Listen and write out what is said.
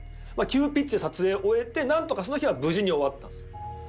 急ピッチで撮影を終えてなんとかその日は無事に終わったんですよ。